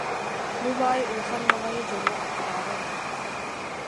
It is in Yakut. Бу баай улахан баҕайы дьоруо аттааҕа үһү